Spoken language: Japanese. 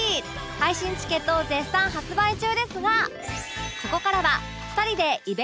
配信チケットを絶賛発売中ですが